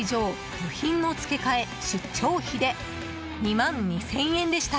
部品の付け替え、出張費で２万２０００円でした。